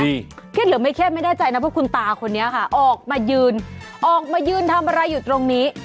เครียดหรือไม่เครียดไม่แน่ใจนะว่าคุณตาคนนี้ค่ะออกมายืนออกมายืนทำอะไรอยู่ตรงนี้